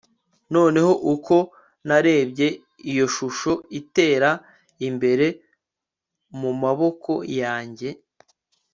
noneho uko narebye iyo shusho itera imbere mumaboko yanjye